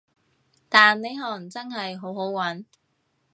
但呢行真係好好搵